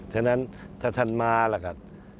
ฉะนั้นถ้าท่านมาแล้วกัน